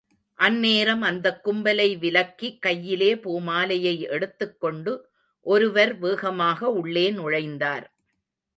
அந் நேரம் அந்தக் கும்பலை விலக்கி கையிலே பூமாலையை எடுத்துக்கொண்டு ஒருவர் வேகமாக உள்ளே நுழைந்தார்.